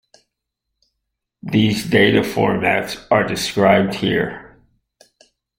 These data formats are described here.